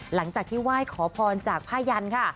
หลังจากที่ไหว้ขอพรจากผ้ายันค่ะ